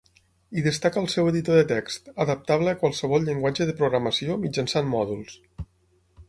Hi destaca el seu editor de text, adaptable a qualsevol llenguatge de programació mitjançant mòduls.